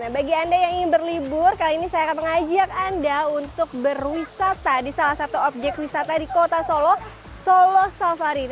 bagi anda yang ingin berlibur kali ini saya akan mengajak anda untuk berwisata di salah satu objek wisata di kota solo solo safari